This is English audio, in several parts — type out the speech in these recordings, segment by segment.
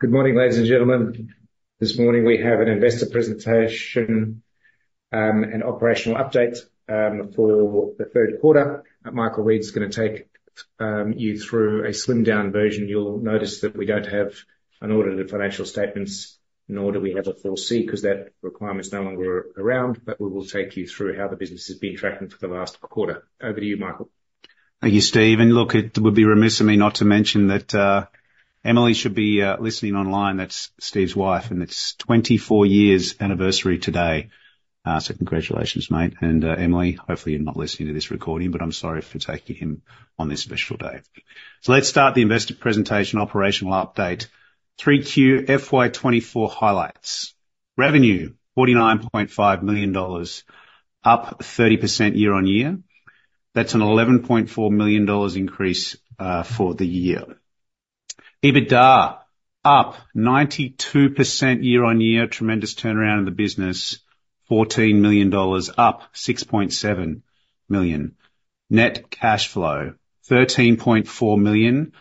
Good morning, ladies and gentlemen. This morning we have an investor presentation, an operational update, for the third quarter. Michael Reid's going to take you through a slimmed-down version. You'll notice that we don't have an audited financial statements, nor do we have a 4C because that requirement's no longer around, but we will take you through how the business has been tracking for the last quarter. Over to you, Michael. Thank you, Steve. And look, it would be remiss of me not to mention that, Emily should be listening online. That's Steve's wife, and it's FY24 anniversary today. So congratulations, mate. And, Emily, hopefully you're not listening to this recording, but I'm sorry for taking him on this special day. So let's start the investor presentation, operational update, 3Q FY24 highlights. Revenue: 49.5 million dollars, up 30% year-on-year. That's an 11.4 million dollars increase, for the year. EBITDA: up 92% year-on-year, tremendous turnaround in the business, 14 million dollars, up 6.7 million. Net cash flow: 13.4 million,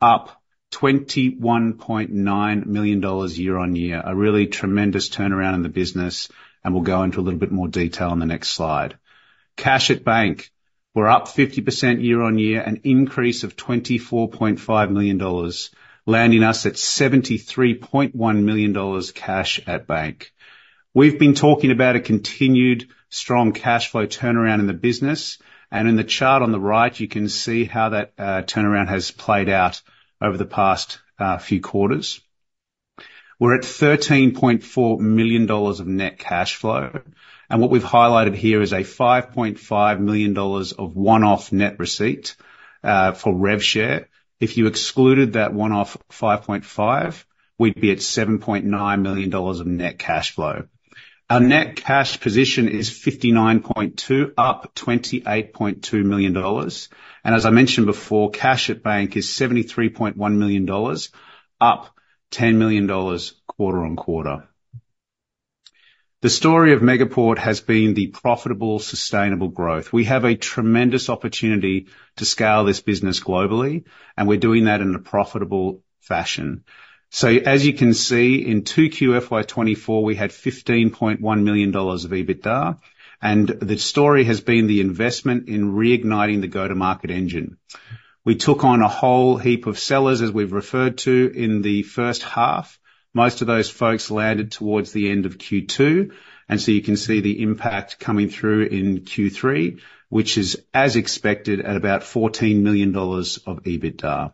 up 21.9 million dollars year-on-year, a really tremendous turnaround in the business, and we'll go into a little bit more detail on the next slide. Cash at bank: we're up 50% year-on-year, an increase of AUD 24.5 million, landing us at AUD 73.1 million cash at bank. We've been talking about a continued strong cash flow turnaround in the business, and in the chart on the right you can see how that turnaround has played out over the past few quarters. We're at 13.4 million dollars of net cash flow, and what we've highlighted here is a 5.5 million dollars of one-off net receipt for revenue share. If you excluded that one-off 5.5 million, we'd be at 7.9 million dollars of net cash flow. Our net cash position is 59.2 million, up 28.2 million dollars. And as I mentioned before, cash at bank is 73.1 million dollars, up 10 million dollars quarter on quarter. The story of Megaport has been the profitable, sustainable growth. We have a tremendous opportunity to scale this business globally, and we're doing that in a profitable fashion. So as you can see, in 2Q FY24 we had 15.1 million dollars of EBITDA, and the story has been the investment in reigniting the go-to-market engine. We took on a whole heap of sellers, as we've referred to, in the first half. Most of those folks landed towards the end of Q2, and so you can see the impact coming through in Q3, which is, as expected, at about AUD 14 million of EBITDA.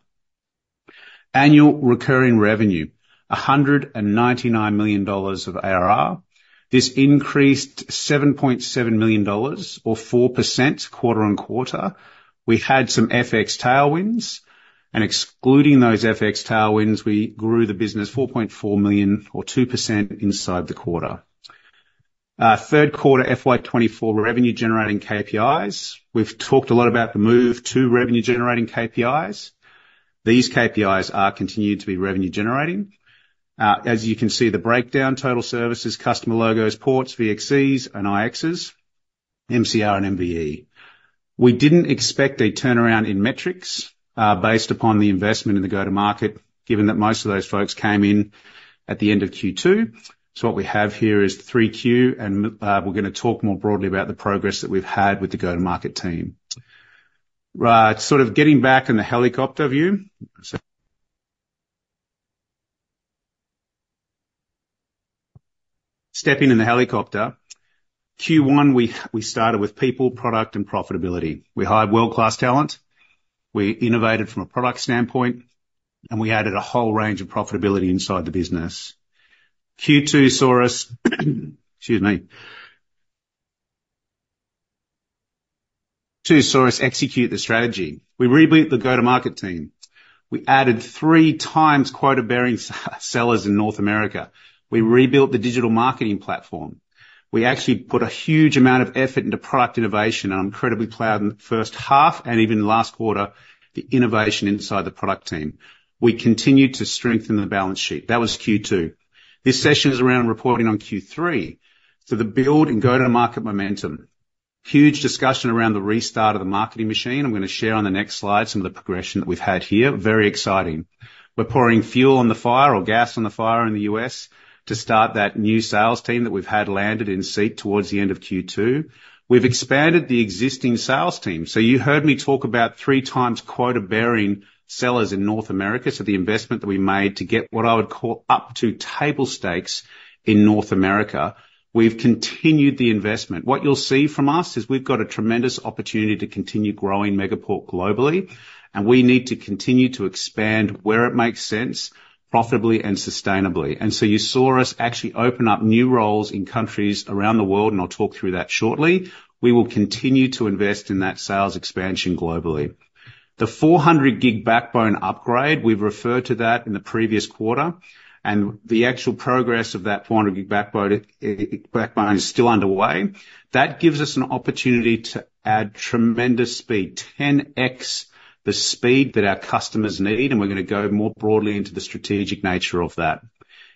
Annual recurring revenue: AUD 199 million of ARR. This increased AUD 7.7 million, or 4% quarter-on-quarter. We had some FX tailwinds, and excluding those FX tailwinds we grew the business 4.4 million, or 2%, inside the quarter. Third quarter FY24 revenue-generating KPIs: we've talked a lot about the move to revenue-generating KPIs. These KPIs are continued to be revenue-generating. As you can see, the breakdown: total services, customer logos, ports, VXCs, and IXs, MCR, and MVE. We didn't expect a turnaround in metrics, based upon the investment in the go-to-market, given that most of those folks came in at the end of Q2. So what we have here is 3Q, and we're going to talk more broadly about the progress that we've had with the go-to-market team. Right, sort of getting back in the helicopter view, so. Stepping in the helicopter: Q1 we started with people, product, and profitability. We hired world-class talent. We innovated from a product standpoint, and we added a whole range of profitability inside the business. Q2 saw us, excuse me, Q2 saw us execute the strategy. We rebuilt the go-to-market team. We added 3x quota-bearing sellers in North America. We rebuilt the digital marketing platform. We actually put a huge amount of effort into product innovation, and I'm incredibly proud in the first half and even last quarter. The innovation inside the product team. We continued to strengthen the balance sheet. That was Q2. This session is around reporting on Q3, so the build and go-to-market momentum. Huge discussion around the restart of the marketing machine. I'm going to share on the next slide some of the progression that we've had here. Very exciting. We're pouring fuel on the fire, or gas on the fire, in the U.S. to start that new sales team that we've had landed in seat towards the end of Q2. We've expanded the existing sales team. So you heard me talk about 3x quota-bearing sellers in North America, so the investment that we made to get what I would call up to table stakes in North America. We've continued the investment. What you'll see from us is we've got a tremendous opportunity to continue growing Megaport globally, and we need to continue to expand where it makes sense, profitably and sustainably. And so you saw us actually open up new roles in countries around the world, and I'll talk through that shortly. We will continue to invest in that sales expansion globally. The 400G backbone upgrade—we've referred to that in the previous quarter—and the actual progress of that 400G backbone is still underway. That gives us an opportunity to add tremendous speed, 10x the speed that our customers need, and we're going to go more broadly into the strategic nature of that.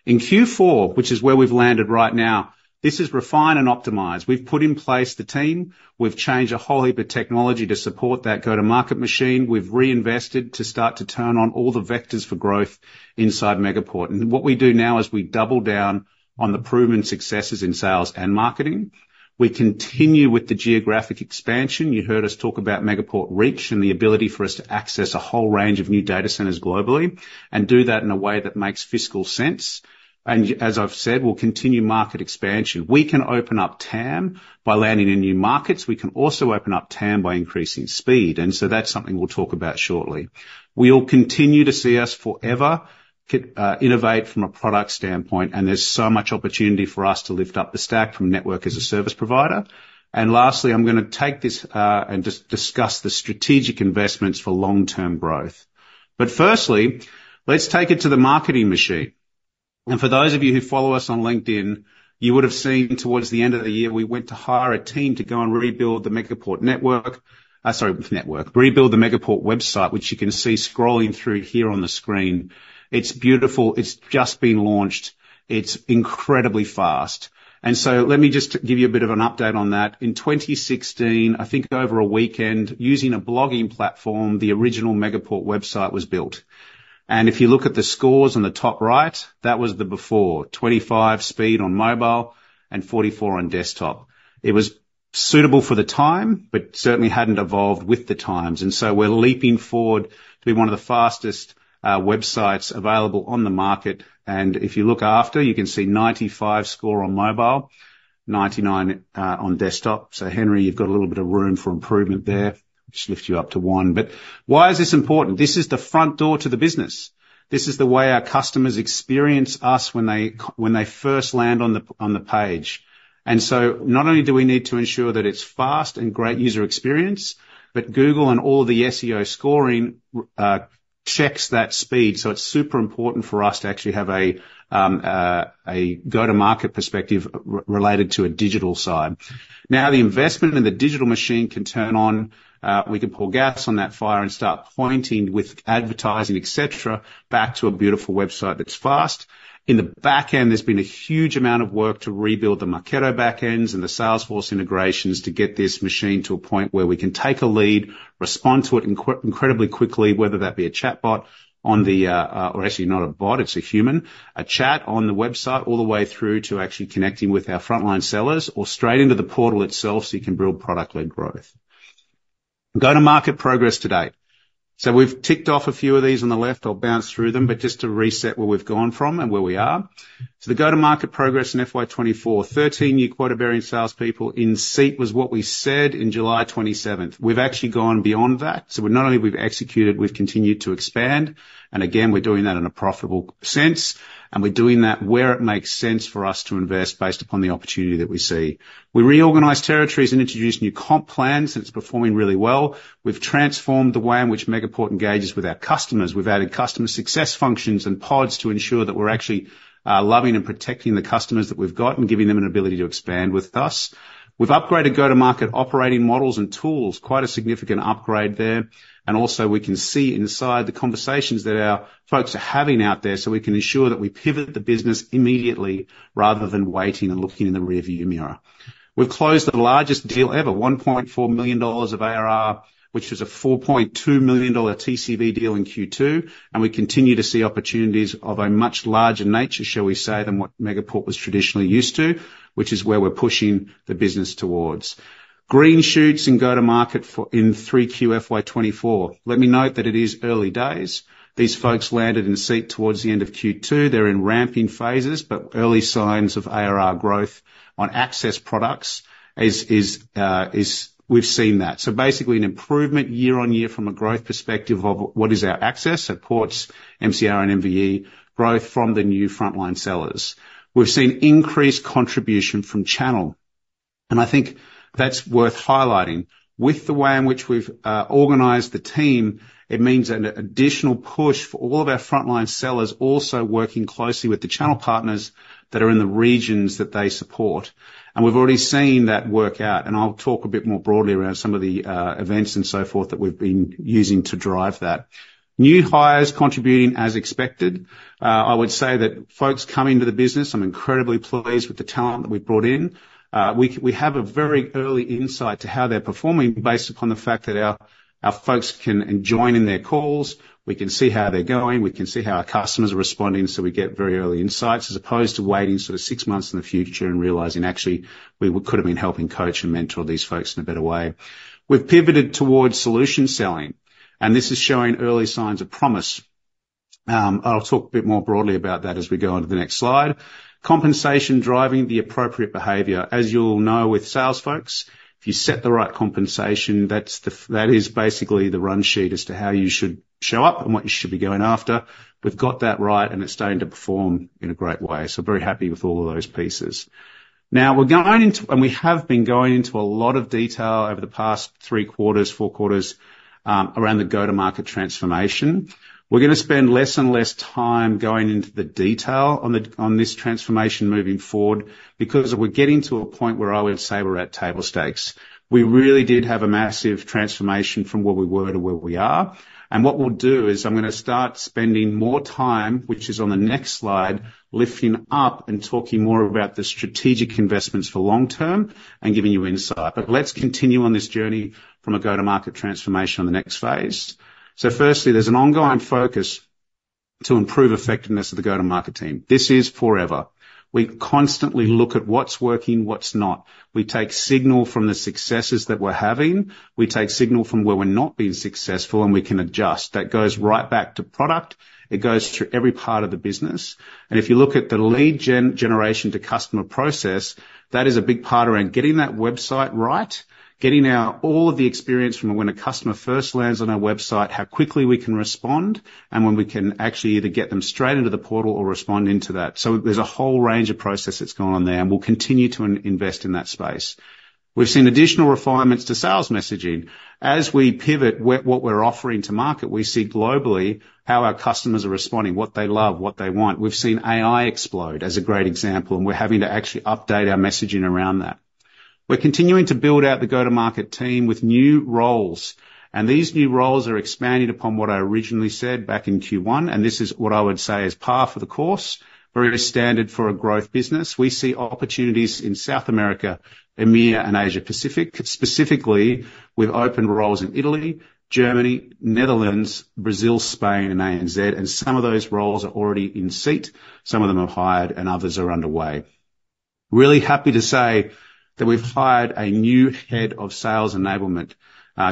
In Q4, which is where we've landed right now, this is refine and optimize. We've put in place the team. We've changed a whole heap of technology to support that go-to-market machine. We've reinvested to start to turn on all the vectors for growth inside Megaport. What we do now is we double down on the proven successes in sales and marketing. We continue with the geographic expansion. You heard us talk about Megaport Reach and the ability for us to access a whole range of new data centers globally and do that in a way that makes fiscal sense. As I've said, we'll continue market expansion. We can open up TAM by landing in new markets. We can also open up TAM by increasing speed, and so that's something we'll talk about shortly. We'll continue to see us forever innovate from a product standpoint, and there's so much opportunity for us to lift up the stack from network as a service provider. Lastly, I'm going to take this and just discuss the strategic investments for long-term growth. But firstly, let's take it to the marketing machine. And for those of you who follow us on LinkedIn, you would have seen towards the end of the year we went to hire a team to go and rebuild the Megaport network, sorry, network, rebuild the Megaport website, which you can see scrolling through here on the screen. It's beautiful. It's just been launched. It's incredibly fast. And so let me just give you a bit of an update on that. In 2016, I think over a weekend, using a blogging platform, the original Megaport website was built. And if you look at the scores on the top right, that was the before: 25 speed on mobile and 44 on desktop. It was suitable for the time, but certainly hadn't evolved with the times. And so we're leaping forward to be one of the fastest websites available on the market. And if you look after, you can see 95 score on mobile, 99 on desktop. So Henry, you've got a little bit of room for improvement there. I'll just lift you up to one. But why is this important? This is the front door to the business. This is the way our customers experience us when they first land on the page. And so not only do we need to ensure that it's fast and great user experience, but Google and all of the SEO scoring checks that speed. So it's super important for us to actually have a go-to-market perspective related to a digital side. Now, the investment in the digital machine can turn on. We can pour gas on that fire and start pointing with advertising, etc., back to a beautiful website that's fast. In the backend, there's been a huge amount of work to rebuild the Marketo backends and the Salesforce integrations to get this machine to a point where we can take a lead, respond to it incredibly quickly, whether that be a chatbot on the, or actually not a bot, it's a human, a chat on the website all the way through to actually connecting with our frontline sellers or straight into the portal itself so you can build product-led growth. Go-to-market progress to date. So we've ticked off a few of these on the left. I'll bounce through them, but just to reset where we've gone from and where we are. So the go-to-market progress in FY24: 13 new quota-bearing salespeople in seat was what we said in July 27. We've actually gone beyond that. So not only have we executed, we've continued to expand. Again, we're doing that in a profitable sense, and we're doing that where it makes sense for us to invest based upon the opportunity that we see. We reorganized territories and introduced new comp plans, and it's performing really well. We've transformed the way in which Megaport engages with our customers. We've added customer success functions and pods to ensure that we're actually loving and protecting the customers that we've got and giving them an ability to expand with us. We've upgraded go-to-market operating models and tools, quite a significant upgrade there, and also we can see inside the conversations that our folks are having out there so we can ensure that we pivot the business immediately rather than waiting and looking in the rearview mirror. We've closed the largest deal ever: 1.4 million dollars of ARR, which was a 4.2 million dollar TCV deal in Q2. We continue to see opportunities of a much larger nature, shall we say, than what Megaport was traditionally used to, which is where we're pushing the business towards. Green shoots in go-to-market for in 3Q FY24. Let me note that it is early days. These folks landed in seat towards the end of Q2. They're in ramping phases, but early signs of ARR growth on access products is. We've seen that. So basically, an improvement year-on-year from a growth perspective of what is our access at ports, MCR, and MVE growth from the new frontline sellers. We've seen increased contribution from channel, and I think that's worth highlighting. With the way in which we've organized the team, it means an additional push for all of our frontline sellers also working closely with the channel partners that are in the regions that they support. And we've already seen that work out, and I'll talk a bit more broadly around some of the events and so forth that we've been using to drive that. New hires contributing as expected. I would say that folks coming to the business, I'm incredibly pleased with the talent that we've brought in, we have a very early insight to how they're performing based upon the fact that our folks can join in their calls. We can see how they're going. We can see how our customers are responding, so we get very early insights as opposed to waiting sort of six months in the future and realizing actually we could have been helping coach and mentor these folks in a better way. We've pivoted towards solution selling, and this is showing early signs of promise. I'll talk a bit more broadly about that as we go on to the next slide. Compensation driving the appropriate behavior. As you'll know with sales folks, if you set the right compensation, that is basically the run sheet as to how you should show up and what you should be going after. We've got that right, and it's starting to perform in a great way. So very happy with all of those pieces. Now we're going into, and we have been going into a lot of detail over the past three quarters, four quarters, around the go-to-market transformation. We're going to spend less and less time going into the detail on this transformation moving forward because we're getting to a point where I would say we're at table stakes. We really did have a massive transformation from where we were to where we are. What we'll do is I'm going to start spending more time, which is on the next slide, lifting up and talking more about the strategic investments for long-term and giving you insight. Let's continue on this journey from a go-to-market transformation on the next phase. Firstly, there's an ongoing focus to improve effectiveness of the go-to-market team. This is forever. We constantly look at what's working, what's not. We take signal from the successes that we're having. We take signal from where we're not being successful, and we can adjust. That goes right back to product. It goes through every part of the business. If you look at the lead generation to customer process, that is a big part around getting that website right, getting all of the experience from when a customer first lands on our website, how quickly we can respond, and when we can actually either get them straight into the portal or respond into that. So there's a whole range of process that's going on there, and we'll continue to invest in that space. We've seen additional refinements to sales messaging. As we pivot what we're offering to market, we see globally how our customers are responding, what they love, what they want. We've seen AI explode as a great example, and we're having to actually update our messaging around that. We're continuing to build out the go-to-market team with new roles, and these new roles are expanding upon what I originally said back in Q1. And this is what I would say is par for the course, very standard for a growth business. We see opportunities in South America, EMEA, and Asia Pacific. Specifically, we've opened roles in Italy, Germany, Netherlands, Brazil, Spain, and ANZ, and some of those roles are already in seat. Some of them are hired, and others are underway. Really happy to say that we've hired a new head of sales enablement.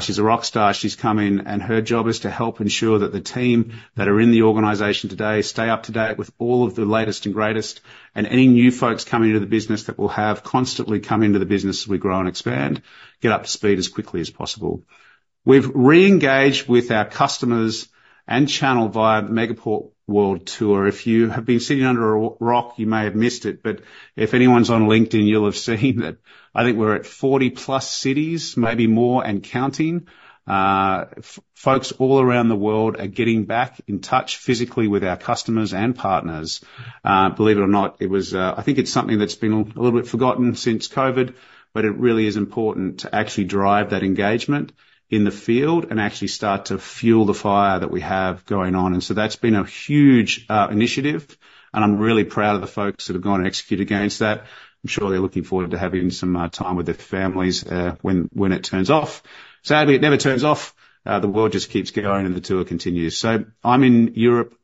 She's a rock star. She's come in, and her job is to help ensure that the team that are in the organization today stay up to date with all of the latest and greatest. And any new folks coming into the business that will have constantly come into the business as we grow and expand, get up to speed as quickly as possible. We've reengaged with our customers and channel via Megaport World Tour. If you have been sitting under a rock, you may have missed it, but if anyone's on LinkedIn, you'll have seen that I think we're at 40+ cities, maybe more, and counting. Folks all around the world are getting back in touch physically with our customers and partners. Believe it or not, it was-I think it's something that's been a little bit forgotten since COVID-but it really is important to actually drive that engagement in the field and actually start to fuel the fire that we have going on. And so that's been a huge initiative, and I'm really proud of the folks that have gone and executed against that. I'm sure they're looking forward to having some time with their families when it turns off. Sadly, it never turns off. The world just keeps going, and the tour continues. So I'm in Europe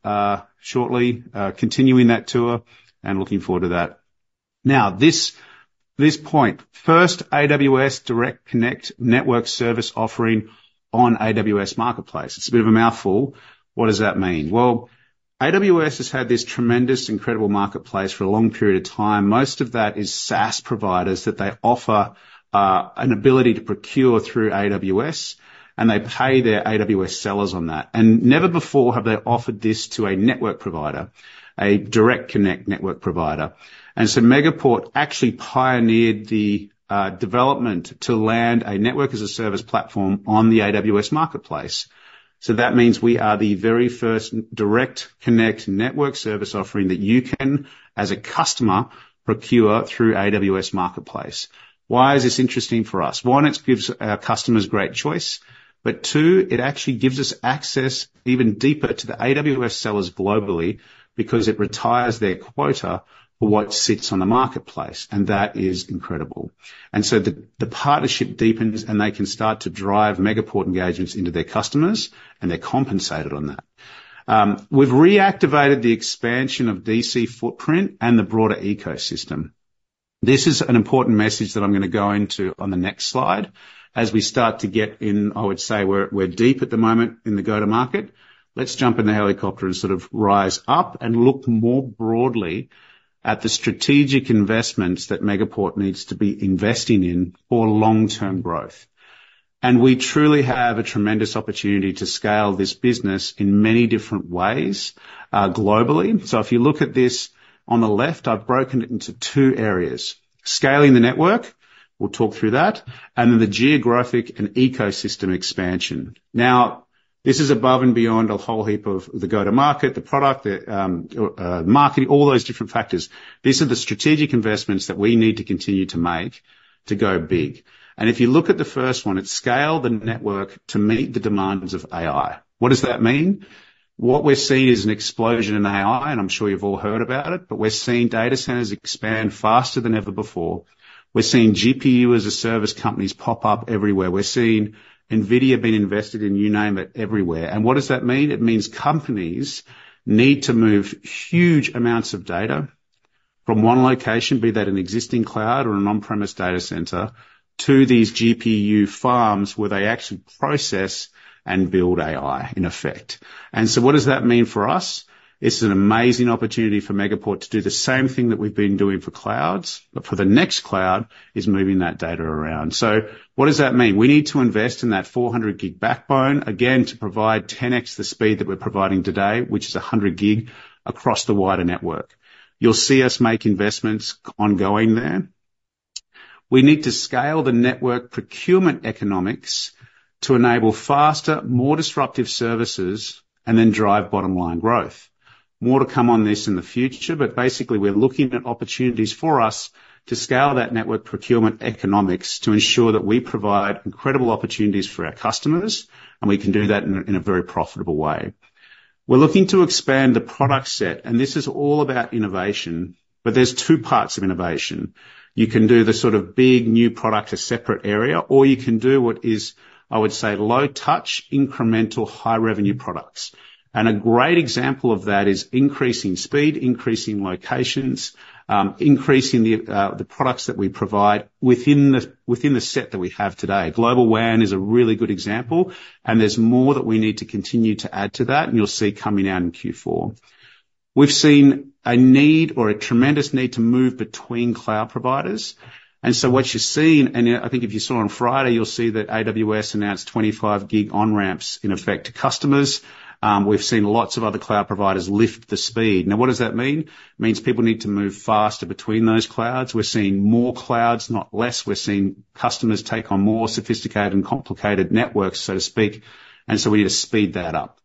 shortly, continuing that tour, and looking forward to that. Now this point: first, AWS Direct Connect network service offering on AWS Marketplace. It's a bit of a mouthful. What does that mean? Well, AWS has had this tremendous, incredible marketplace for a long period of time. Most of that is SaaS providers that they offer an ability to procure through AWS, and they pay their AWS sellers on that. And never before have they offered this to a network provider, a Direct Connect network provider. And so Megaport actually pioneered the development to land a network as a service platform on the AWS Marketplace. So that means we are the very first Direct Connect network service offering that you can, as a customer, procure through AWS Marketplace. Why is this interesting for us? 1, it gives our customers great choice, but 2, it actually gives us access even deeper to the AWS sellers globally because it retires their quota for what sits on the marketplace, and that is incredible. And so the partnership deepens, and they can start to drive Megaport engagements into their customers, and they're compensated on that. We've reactivated the expansion of DC footprint and the broader ecosystem. This is an important message that I'm going to go into on the next slide. As we start to get in, I would say, we're deep at the moment in the go-to-market. Let's jump in the helicopter and sort of rise up and look more broadly at the strategic investments that Megaport needs to be investing in for long-term growth. And we truly have a tremendous opportunity to scale this business in many different ways globally. So if you look at this on the left, I've broken it into two areas: scaling the network - we'll talk through that - and then the geographic and ecosystem expansion. Now this is above and beyond a whole heap of the go-to-market, the product, the marketing, all those different factors. These are the strategic investments that we need to continue to make to go big. And if you look at the first one, it's scale the network to meet the demands of AI. What does that mean? What we're seeing is an explosion in AI, and I'm sure you've all heard about it, but we're seeing data centers expand faster than ever before. We're seeing GPU as a service companies pop up everywhere. We're seeing NVIDIA being invested in, you name it, everywhere. And what does that mean? It means companies need to move huge amounts of data from one location, be that an existing cloud or an on-premises data center, to these GPU farms where they actually process and build AI, in effect. And so what does that mean for us? It's an amazing opportunity for Megaport to do the same thing that we've been doing for clouds, but for the next cloud is moving that data around. So what does that mean? We need to invest in that 400G backbone, again, to provide 10x the speed that we're providing today, which is 100G, across the wider network. You'll see us make investments ongoing there. We need to scale the network procurement economics to enable faster, more disruptive services and then drive bottom-line growth. More to come on this in the future, but basically, we're looking at opportunities for us to scale that network procurement economics to ensure that we provide incredible opportunities for our customers, and we can do that in a very profitable way. We're looking to expand the product set, and this is all about innovation, but there's two parts of innovation. You can do the sort of big new product as a separate area, or you can do what is, I would say, low-touch, incremental, high-revenue products. And a great example of that is increasing speed, increasing locations, increasing the products that we provide within the set that we have today. Global WAN is a really good example, and there's more that we need to continue to add to that, and you'll see coming out in Q4. We've seen a need, or a tremendous need, to move between cloud providers. What you're seeing, and I think if you saw on Friday, you'll see that AWS announced 25G on-ramps, in effect, to customers. We've seen lots of other cloud providers lift the speed. Now, what does that mean? It means people need to move faster between those clouds. We're seeing more clouds, not less. We're seeing customers take on more sophisticated and complicated networks, so to speak. And so we need to speed that up.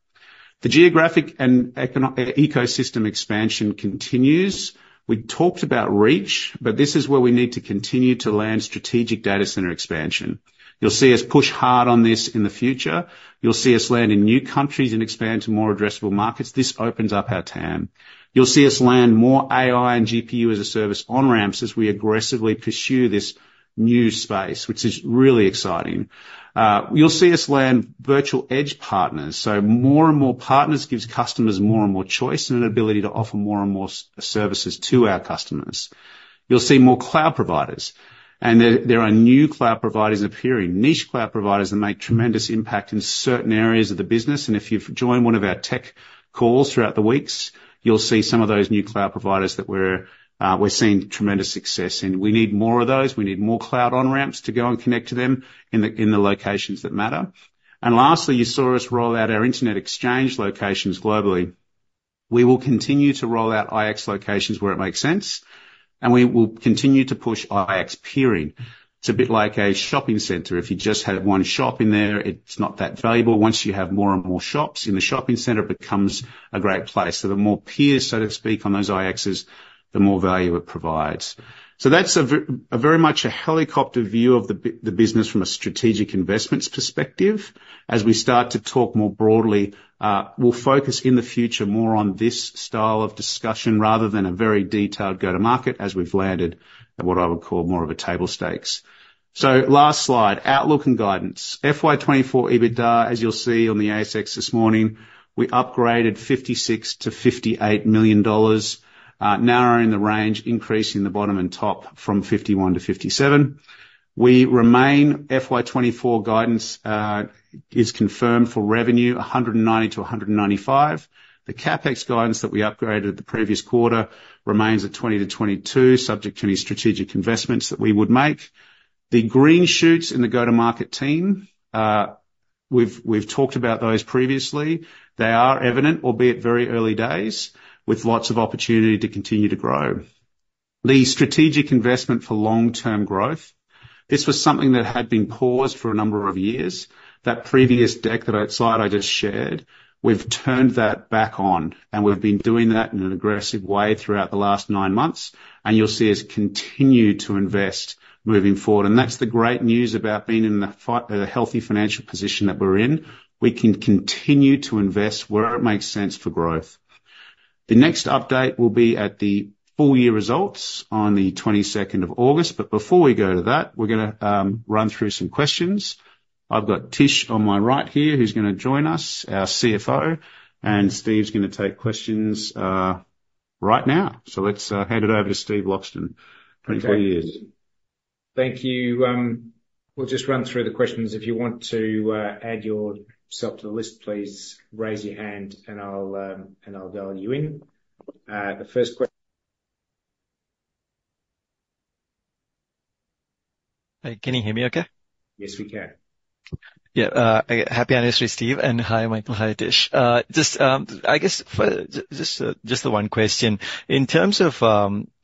The geographic and ecosystem expansion continues. We talked about reach, but this is where we need to continue to land strategic data center expansion. You'll see us push hard on this in the future. You'll see us land in new countries and expand to more addressable markets. This opens up our TAM. You'll see us land more AI and GPU as a service on-ramps as we aggressively pursue this new space, which is really exciting. You'll see us land virtual edge partners. So more and more partners give customers more and more choice and an ability to offer more and more services to our customers. You'll see more cloud providers, and there are new cloud providers appearing, niche cloud providers that make tremendous impact in certain areas of the business. And if you've joined one of our tech calls throughout the weeks, you'll see some of those new cloud providers that we're seeing tremendous success in. We need more of those. We need more cloud on-ramps to go and connect to them in the locations that matter. And lastly, you saw us roll out our Internet Exchange locations globally. We will continue to roll out IX locations where it makes sense, and we will continue to push IX peering. It's a bit like a shopping center. If you just have one shop in there, it's not that valuable. Once you have more and more shops in the shopping center, it becomes a great place. So the more peers, so to speak, on those IXes, the more value it provides. So that's very much a helicopter view of the business from a strategic investments perspective. As we start to talk more broadly, we'll focus in the future more on this style of discussion rather than a very detailed go-to-market as we've landed at what I would call more of a table stakes. So last slide, outlook and guidance. FY24 EBITDA, as you'll see on the ASX this morning, we upgraded 56 million-58 million dollars, narrowing the range, increasing the bottom and top from 51 million-57 million. We remain, FY24 guidance is confirmed for revenue 190 million-195 million. The CapEx guidance that we upgraded at the previous quarter remains at 20 million-22 million, subject to any strategic investments that we would make. The green shoots in the go-to-market team, we've talked about those previously. They are evident, albeit very early days, with lots of opportunity to continue to grow. The strategic investment for long-term growth, this was something that had been paused for a number of years. That previous deck that I just shared, we've turned that back on, and we've been doing that in an aggressive way throughout the last nine months. And you'll see us continue to invest moving forward. That's the great news about being in the healthy financial position that we're in. We can continue to invest where it makes sense for growth. The next update will be at the full year results on the 22nd of August. Before we go to that, we're going to run through some questions. I've got Tish on my right here, who's going to join us, our CFO, and Steve's going to take questions right now. Let's hand it over to Steve Loxton, 24 years. Thank you. We'll just run through the questions. If you want to add yourself to the list, please raise your hand, and I'll dial you in. The first question. Can you hear me okay? Yes, we can. Yeah. Happy anniversary, Steve. And hi, Michael. Hi, Tish. I guess just the one question. In terms of,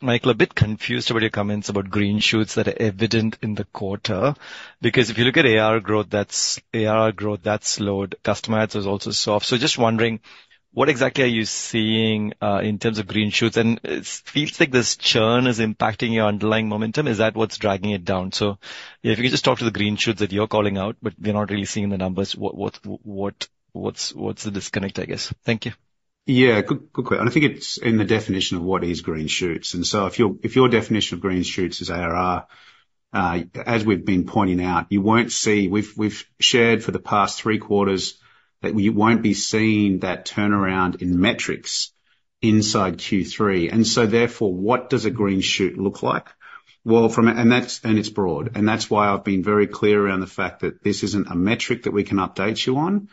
Michael, a bit confused about your comments about green shoots that are evident in the quarter, because if you look at ARR growth, that's slowed. Customer adds was also soft. So just wondering, what exactly are you seeing in terms of green shoots? And it feels like this churn is impacting your underlying momentum. Is that what's dragging it down? So if you could just talk to the green shoots that you're calling out, but we're not really seeing the numbers, what's the disconnect, I guess? Thank you. Yeah, quick question. I think it's in the definition of what is green shoots. And so if your definition of green shoots is ARR, as we've been pointing out, you won't see we've shared for the past three quarters that you won't be seeing that turnaround in metrics inside Q3. And so therefore, what does a green shoot look like? Well, and it's broad. And that's why I've been very clear around the fact that this isn't a metric that we can update you on.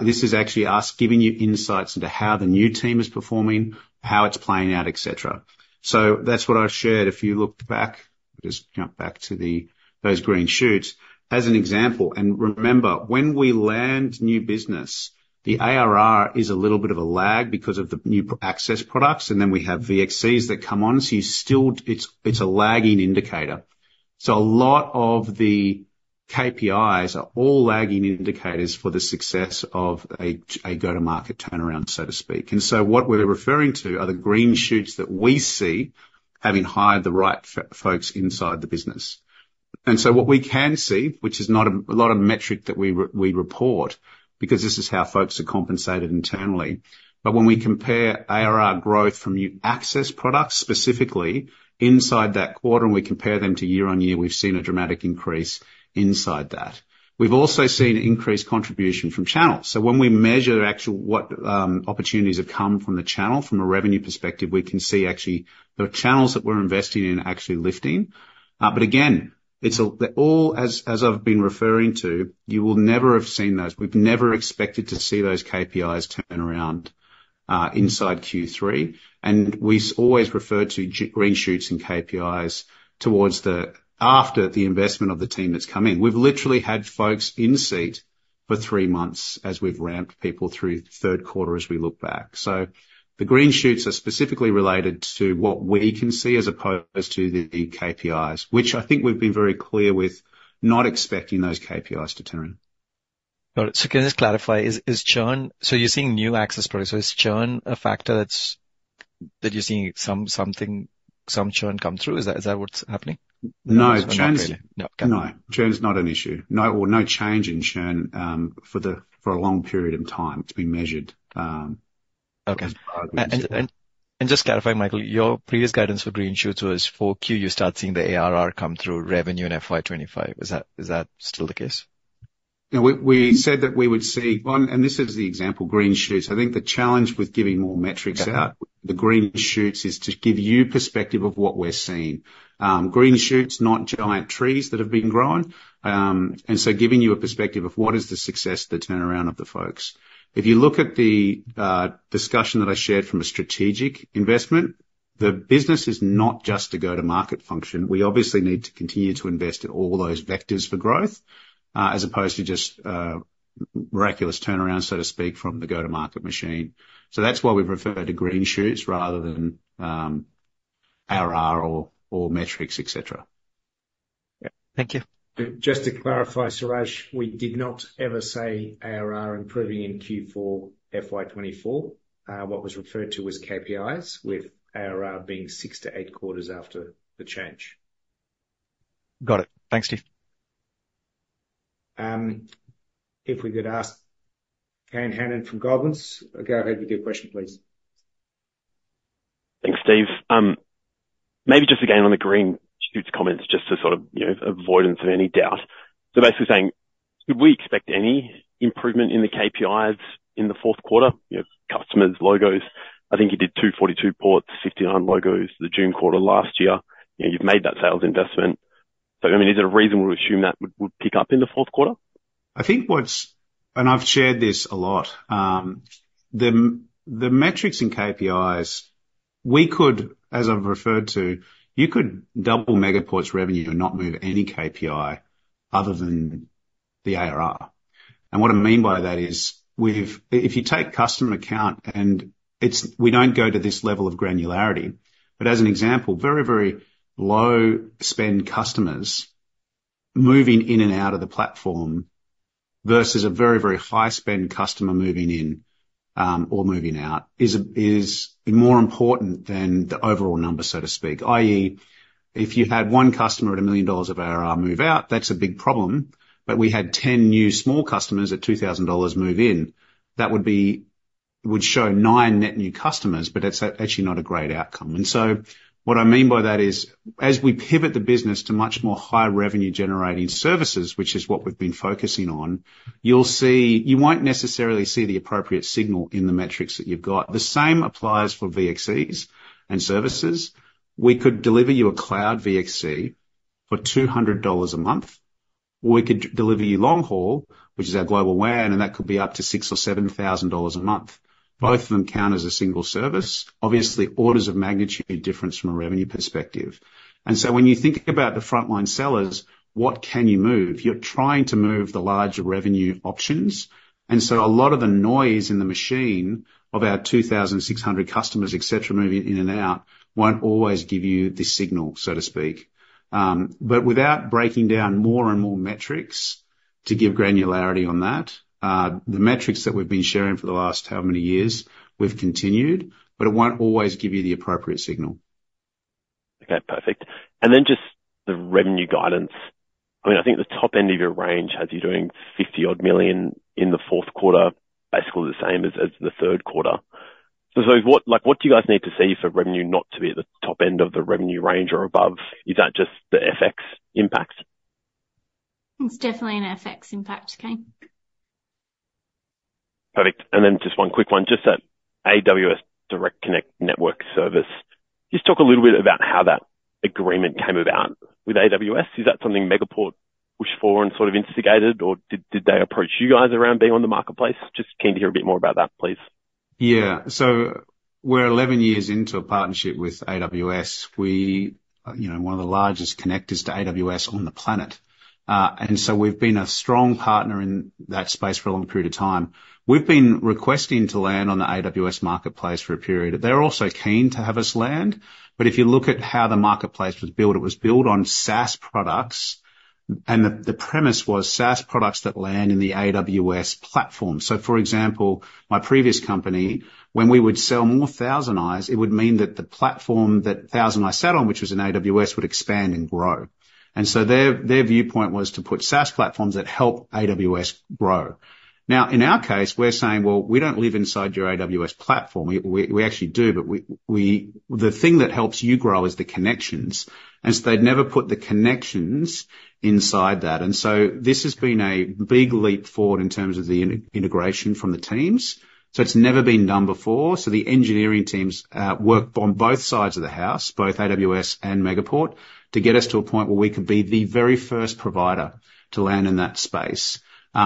This is actually us giving you insights into how the new team is performing, how it's playing out, etc. So that's what I shared. If you look back, just jump back to those green shoots as an example. And remember, when we land new business, the ARR is a little bit of a lag because of the new access products. Then we have VXCs that come on. So it's a lagging indicator. So a lot of the KPIs are all lagging indicators for the success of a go-to-market turnaround, so to speak. And so what we're referring to are the green shoots that we see having hired the right folks inside the business. And so what we can see, which is not a lot of metric that we report, because this is how folks are compensated internally, but when we compare ARR growth from new access products, specifically inside that quarter, and we compare them to year-on-year, we've seen a dramatic increase inside that. We've also seen an increased contribution from channels. So when we measure actual opportunities that come from the channel, from a revenue perspective, we can see actually the channels that we're investing in actually lifting. But again, as I've been referring to, you will never have seen those. We've never expected to see those KPIs turn around inside Q3. And we always refer to green shoots and KPIs towards the after the investment of the team that's come in. We've literally had folks in seat for three months as we've ramped people through third quarter as we look back. So the green shoots are specifically related to what we can see as opposed to the KPIs, which I think we've been very clear with not expecting those KPIs to turn. Got it. Can I just clarify? You're seeing new access products. Is churn a factor that you're seeing some churn come through? Is that what's happening? No, churn's not an issue. No change in churn for a long period of time. It's been measured. Okay. Just clarifying, Michael, your previous guidance for green shoots was for Q, you start seeing the ARR come through revenue in FY25. Is that still the case? We said that we would see, and this is the example, green shoots. I think the challenge with giving more metrics out, the green shoots, is to give you perspective of what we're seeing. Green shoots, not giant trees that have been grown. And so giving you a perspective of what is the success, the turnaround of the folks. If you look at the discussion that I shared from a strategic investment, the business is not just a go-to-market function. We obviously need to continue to invest in all those vectors for growth, as opposed to just miraculous turnarounds, so to speak, from the go-to-market machine. So that's why we've referred to green shoots rather than ARR or metrics, etc. Thank you. Just to clarify, Siraj, we did not ever say ARR improving in Q4 FY2024. What was referred to was KPIs, with ARR being 6-8 quarters after the change. Got it. Thanks, Steve. If we could ask Kane Hannan from Goldman's, go ahead with your question, please. Thanks, Steve. Maybe just again on the green shoots comments, just to sort of avoidance of any doubt. So basically saying, could we expect any improvement in the KPIs in the fourth quarter? Customers, logos. I think you did 242 ports, 59 logos the June quarter last year. You've made that sales investment. So I mean, is it a reasonable to assume that would pick up in the fourth quarter? I think what's, and I've shared this a lot. The metrics and KPIs, as I've referred to, you could double Megaport's revenue and not move any KPI other than the ARR. And what I mean by that is, if you take customer account and we don't go to this level of granularity, but as an example, very, very low-spend customers moving in and out of the platform versus a very, very high-spend customer moving in or moving out is more important than the overall number, so to speak. i.e., if you had 1 customer at $1 million of ARR move out, that's a big problem. But we had 10 new small customers at $2,000 move in, that would show 9 net new customers, but it's actually not a great outcome. What I mean by that is, as we pivot the business to much more high-revenue generating services, which is what we've been focusing on, you won't necessarily see the appropriate signal in the metrics that you've got. The same applies for VXCs and services. We could deliver you a cloud VXC for 200 dollars a month. We could deliver you long haul, which is our global WAN, and that could be up to 6,000 or 7,000 dollars a month. Both of them count as a single service, obviously orders of magnitude different from a revenue perspective. When you think about the frontline sellers, what can you move? You're trying to move the larger revenue options. A lot of the noise in the machine of our 2,600 customers, etc., moving in and out won't always give you this signal, so to speak. But without breaking down more and more metrics to give granularity on that, the metrics that we've been sharing for the last how many years, we've continued, but it won't always give you the appropriate signal. Okay, perfect. And then just the revenue guidance. I mean, I think the top end of your range has you doing 50-odd million in the fourth quarter, basically the same as the third quarter. So what do you guys need to see for revenue not to be at the top end of the revenue range or above? Is that just the FX impact? It's definitely an FX impact, Kane. Perfect. And then just one quick one, just that AWS Direct Connect Network service. Just talk a little bit about how that agreement came about with AWS. Is that something Megaport pushed for and sort of instigated, or did they approach you guys around being on the marketplace? Just keen to hear a bit more about that, please. Yeah. So we're 11 years into a partnership with AWS. We're one of the largest connectors to AWS on the planet. And so we've been a strong partner in that space for a long period of time. We've been requesting to land on the AWS Marketplace for a period. They're also keen to have us land. But if you look at how the marketplace was built, it was built on SaaS products. And the premise was SaaS products that land in the AWS platform. So for example, my previous company, when we would sell more ThousandEyes, it would mean that the platform that ThousandEyes sat on, which was an AWS, would expand and grow. And so their viewpoint was to put SaaS platforms that help AWS grow. Now, in our case, we're saying, well, we don't live inside your AWS platform. We actually do, but the thing that helps you grow is the connections. And so they'd never put the connections inside that. And so this has been a big leap forward in terms of the integration from the teams. So it's never been done before. So the engineering teams work on both sides of the house, both AWS and Megaport, to get us to a point where we could be the very first provider to land in that space.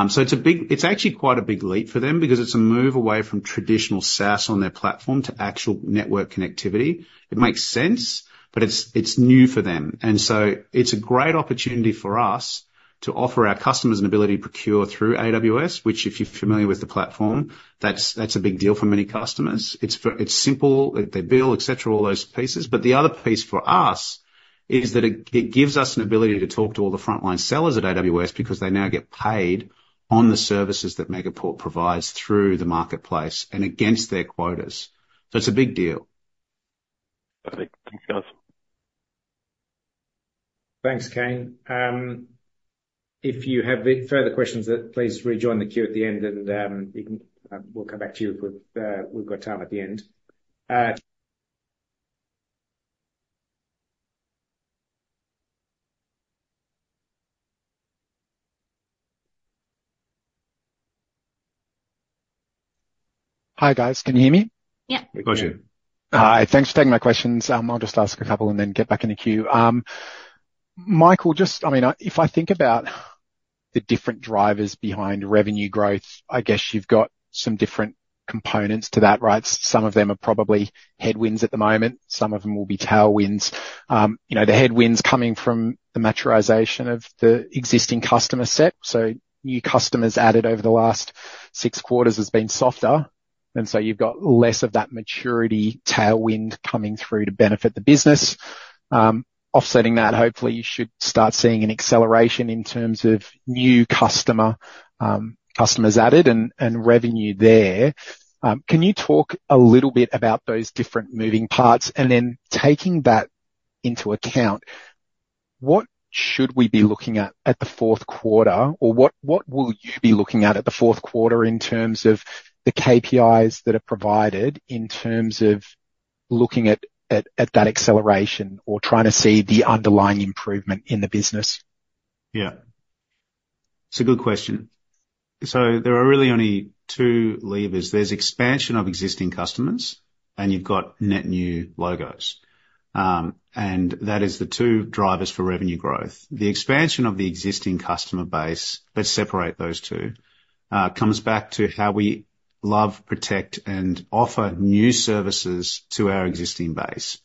So it's actually quite a big leap for them because it's a move away from traditional SaaS on their platform to actual network connectivity. It makes sense, but it's new for them. And so it's a great opportunity for us to offer our customers an ability to procure through AWS, which if you're familiar with the platform, that's a big deal for many customers. It's simple. They bill, etc., all those pieces. But the other piece for us is that it gives us an ability to talk to all the frontline sellers at AWS because they now get paid on the services that Megaport provides through the marketplace and against their quotas. So it's a big deal. Perfect. Thanks, guys. Thanks, Cain. If you have further questions, please rejoin the queue at the end, and we'll come back to you if we've got time at the end. Hi, guys. Can you hear me? Yeah. We got you. Hi. Thanks for taking my questions. I'll just ask a couple and then get back in the queue. Michael, I mean, if I think about the different drivers behind revenue growth, I guess you've got some different components to that, right? Some of them are probably headwinds at the moment. Some of them will be tailwinds. The headwinds coming from the maturation of the existing customer set, so new customers added over the last six quarters has been softer. And so you've got less of that maturity tailwind coming through to benefit the business. Offsetting that, hopefully, you should start seeing an acceleration in terms of new customers added and revenue there. Can you talk a little bit about those different moving parts? And then taking that into account, what should we be looking at the fourth quarter, or what will you be looking at the fourth quarter in terms of the KPIs that are provided in terms of looking at that acceleration or trying to see the underlying improvement in the business? Yeah. It's a good question. So there are really only two levers. There's expansion of existing customers, and you've got net new logos. And that is the two drivers for revenue growth. The expansion of the existing customer base that separates those two comes back to how we love, protect, and offer new services to our existing base.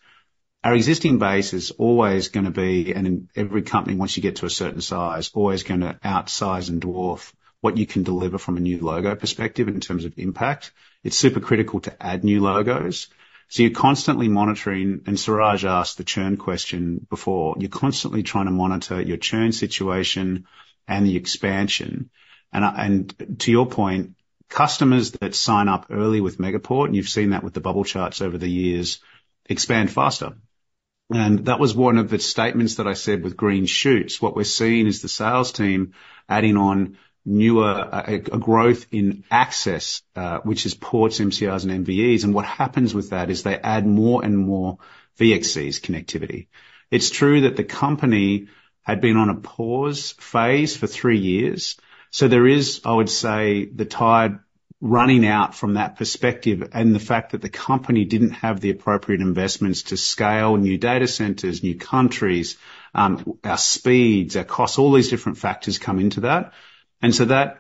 Our existing base is always going to be and every company, once you get to a certain size, is always going to outsize and dwarf what you can deliver from a new logo perspective in terms of impact. It's super critical to add new logos. So you're constantly monitoring and Siraj asked the churn question before. You're constantly trying to monitor your churn situation and the expansion. And to your point, customers that sign up early with Megaport, and you've seen that with the bubble charts over the years, expand faster. That was one of the statements that I said with green shoots. What we're seeing is the sales team adding on a growth in access, which is ports, MCRs, and MVEs. What happens with that is they add more and more VXCs connectivity. It's true that the company had been on a pause phase for three years. There is, I would say, the tide running out from that perspective and the fact that the company didn't have the appropriate investments to scale new data centers, new countries. Our speeds, our costs, all these different factors come into that.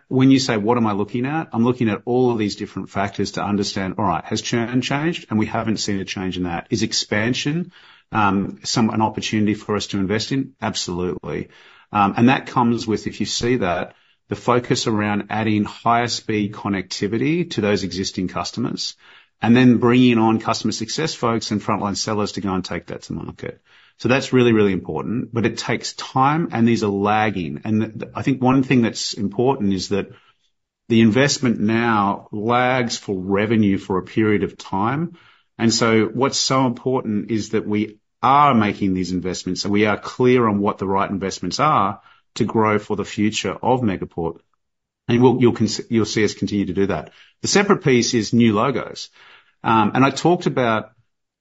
When you say, "What am I looking at?" I'm looking at all of these different factors to understand, "All right, has churn changed?" We haven't seen a change in that. Is expansion an opportunity for us to invest in? Absolutely. And that comes with, if you see that, the focus around adding higher-speed connectivity to those existing customers and then bringing on customer success folks and frontline sellers to go and take that to market. So that's really, really important. But it takes time, and these are lagging. I think one thing that's important is that the investment now lags for revenue for a period of time. So what's so important is that we are making these investments and we are clear on what the right investments are to grow for the future of Megaport. And you'll see us continue to do that. The separate piece is new logos. I talked about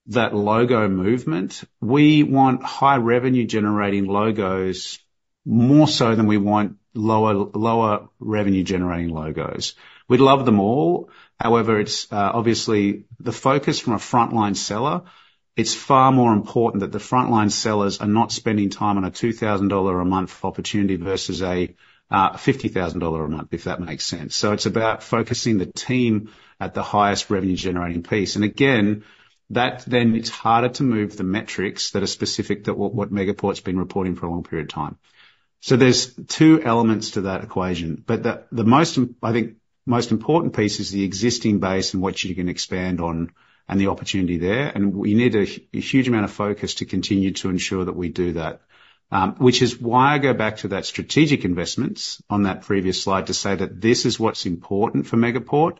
that logo movement. We want high-revenue generating logos more so than we want lower-revenue generating logos. We'd love them all. However, obviously, the focus from a frontline seller, it's far more important that the frontline sellers are not spending time on an 2,000 dollar a month opportunity versus an 50,000 dollar a month, if that makes sense. So it's about focusing the team at the highest revenue generating piece. And again, then it's harder to move the metrics that are specific to what Megaport's been reporting for a long period of time. So there's two elements to that equation. But the, I think, most important piece is the existing base and what you're going to expand on and the opportunity there. And we need a huge amount of focus to continue to ensure that we do that, which is why I go back to that strategic investments on that previous slide to say that this is what's important for Megaport.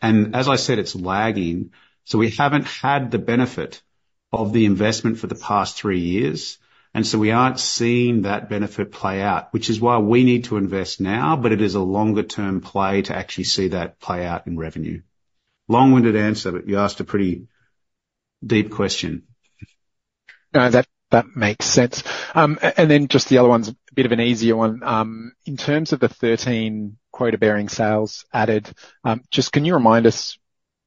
And as I said, it's lagging. We haven't had the benefit of the investment for the past three years. So we aren't seeing that benefit play out, which is why we need to invest now, but it is a longer-term play to actually see that play out in revenue. Long-winded answer, but you asked a pretty deep question. No, that makes sense. And then just the other one, a bit of an easier one. In terms of the 13 quota-bearing sales added, just can you remind us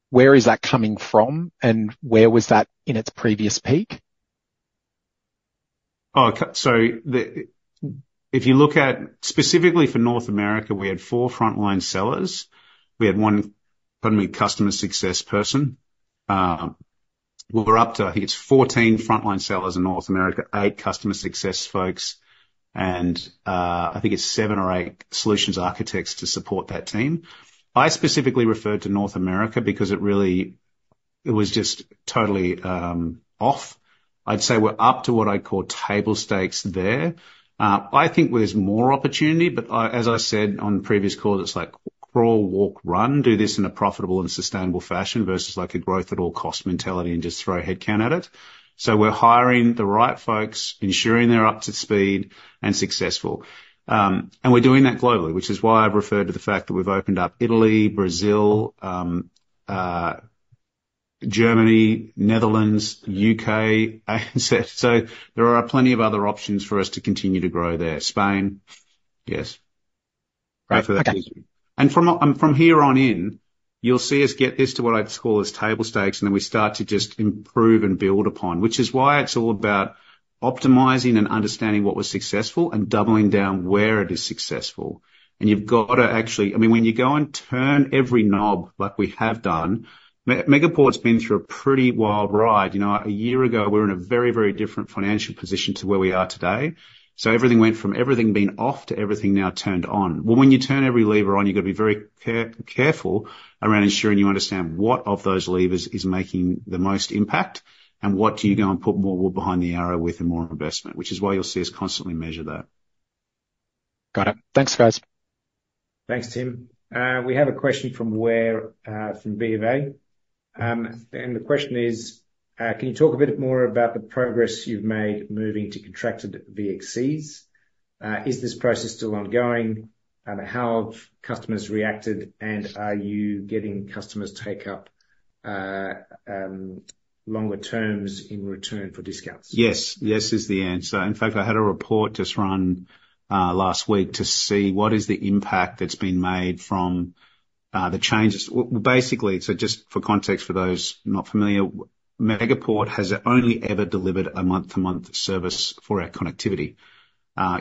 where is that coming from and where was that in its previous peak? Oh, so if you look at specifically for North America, we had 4 frontline sellers. We had 1, pardon me, customer success person. We were up to, I think it's 14 frontline sellers in North America, 8 customer success folks, and I think it's 7 or 8 solutions architects to support that team. I specifically referred to North America because it was just totally off. I'd say we're up to what I'd call table stakes there. I think there's more opportunity, but as I said on previous calls, it's like crawl, walk, run, do this in a profitable and sustainable fashion versus a growth-at-all-cost mentality and just throw a headcount at it. So we're hiring the right folks, ensuring they're up to speed and successful. We're doing that globally, which is why I've referred to the fact that we've opened up Italy, Brazil, Germany, Netherlands, UK. So there are plenty of other options for us to continue to grow there. Spain, yes. And from here on in, you'll see us get this to what I'd call as table stakes, and then we start to just improve and build upon, which is why it's all about optimizing and understanding what was successful and doubling down where it is successful. And you've got to actually, I mean, when you go and turn every knob like we have done, Megaport's been through a pretty wild ride. A year ago, we were in a very, very different financial position to where we are today. So everything went from everything being off to everything now turned on. Well, when you turn every lever on, you've got to be very careful around ensuring you understand what of those levers is making the most impact and what do you go and put more wood behind the arrow with and more investment, which is why you'll see us constantly measure that. Got it. Thanks, guys. Thanks, Tim. We have a question from BofA. And the question is, can you talk a bit more about the progress you've made moving to contracted VXCs? Is this process still ongoing? How have customers reacted? And are you getting customers take up longer terms in return for discounts? Yes. Yes is the answer. In fact, I had a report just run last week to see what is the impact that's been made from the changes. Basically, so just for context for those not familiar, Megaport has only ever delivered a month-to-month service for our connectivity.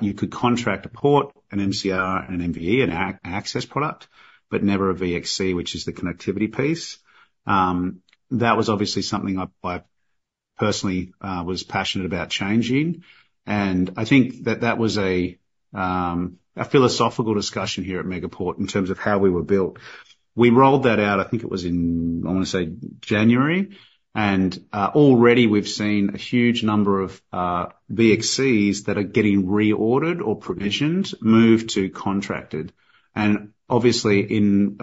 You could contract a port, an MCR, an MVE, an access product, but never a VXC, which is the connectivity piece. That was obviously something I personally was passionate about changing. And I think that that was a philosophical discussion here at Megaport in terms of how we were built. We rolled that out, I think it was in, I want to say, January. And already, we've seen a huge number of VXCs that are getting reordered or provisioned moved to contracted and obviously in